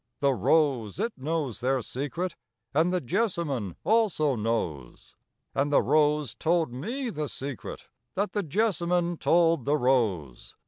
The rose, it knows their secret, And the jessamine also knows: And the rose told me the secret, That the jessamine told the rose.